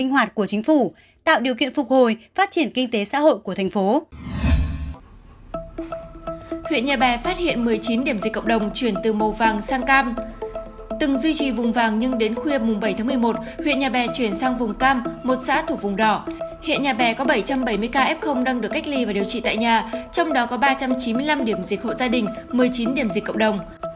hiện nhà bè có bảy trăm bảy mươi ca f đang được cách ly và điều trị tại nhà trong đó có ba trăm chín mươi năm điểm dịch hộ gia đình một mươi chín điểm dịch cộng đồng